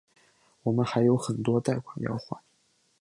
我们还有很多贷款要还